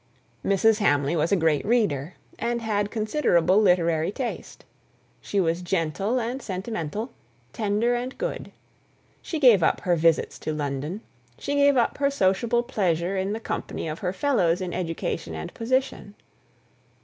Mrs. Hamley was a great reader, and had considerable literary taste. She was gentle and sentimental; tender and good. She gave up her visits to London; she gave up her sociable pleasure in the company of her fellows in education and position.